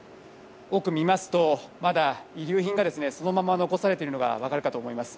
奥を見ますとまだ遺留品がそのまま残されているのが分かるかと思います。